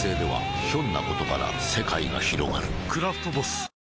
「クラフトボス」